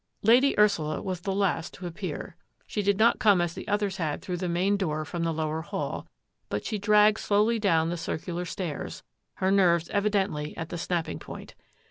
Lady Ursula was the last to appear. She did not come as the others had through the main door from the lower hall, but she dragged slowly down the circular stairs, her nerves evidently at the snapping point.